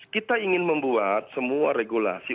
kita ingin membuat semua regulasi